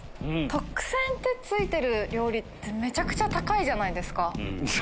特選って付いてる料理めちゃくちゃ高いじゃないですか。